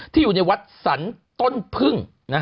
อยู่ในวัดสรรต้นพึ่ง